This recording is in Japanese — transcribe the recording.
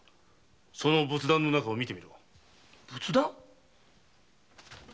その仏壇の中を見てみろ。